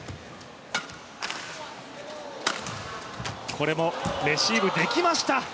これもレシーブできました。